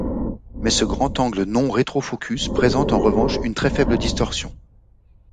Mais ce grand angle non rétrofocus présente en revanche une très faible distorsion.